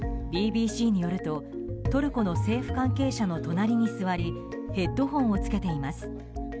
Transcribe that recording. ＢＢＣによるとトルコの政府関係者の隣に座りヘッドホンをつけています。